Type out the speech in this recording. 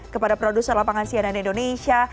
kepada produser lapangan cnn indonesia